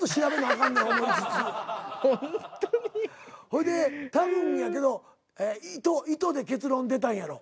ほいで多分やけど「糸」で結論出たんやろ？